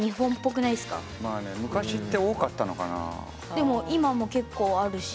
でも今も結構あるし。